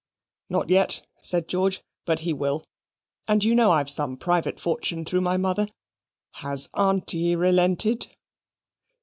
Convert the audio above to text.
"Not yet," said George, "but he will; and you know I've some private fortune through my mother. Has Aunty relented?"